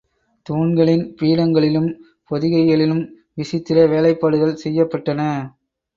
தூண்களின் பீடங்களிலும் பொதிகைகளிலும், விசித்திர வேலைப்பாடுகள் செய்யப்பட்டன.